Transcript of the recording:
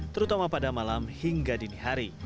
terutama pada malam hingga dini hari